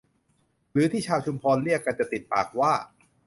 หรือที่ชาวชุมพรเรียกกันจนติดปากว่า